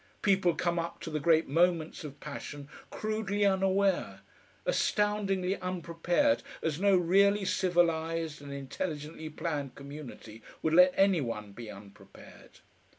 People come up to the great moments of passion crudely unaware, astoundingly unprepared as no really civilised and intelligently planned community would let any one be unprepared.